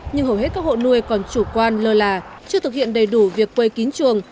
nhưng hầu hết các hộ nuôi còn chủ quan lơ là chưa thực hiện đầy đủ việc quây kín trường